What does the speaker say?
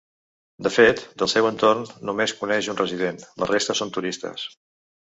De fet, del seu entorn, només coneix un resident: la resta són turistes.